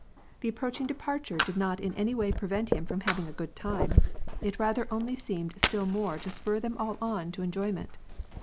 The approaching depart 46 WAR AND PEACE. ure did not in any way prevent him from having a good time; it i*ather only seemed still more to spur them sdl on to enjoy ment.